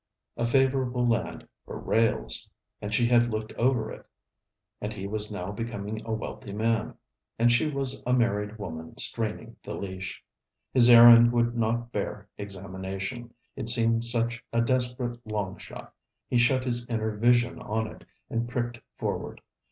A favourable land for rails: and she had looked over it: and he was now becoming a wealthy man: and she was a married woman straining the leash. His errand would not bear examination, it seemed such a desperate long shot. He shut his inner vision on it, and pricked forward.